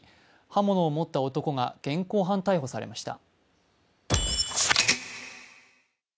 刃物を持った男が現行犯逮捕されました。